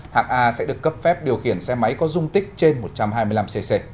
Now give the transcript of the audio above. hạng a sẽ được cấp phép điều khiển xe máy có dung tích trên một trăm hai mươi năm cc